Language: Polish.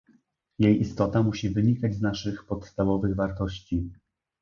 Jej istota musi wynikać z naszych podstawowych wartości